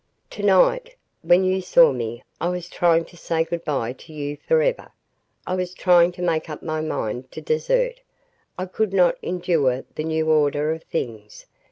To night when you saw me I was trying to say good bye to you forever. I was trying to make up my mind to desert. I could not endure the new order of things.